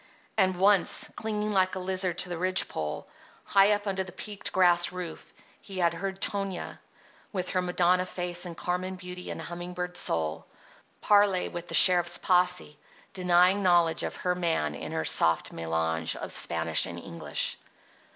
And once, clinging like a lizard to the ridge pole, high up under the peaked grass roof, he had heard Tonia, with her Madonna face and Carmen beauty and humming bird soul, parley with the sheriff's posse, denying knowledge of her man in her soft mélange of Spanish and English.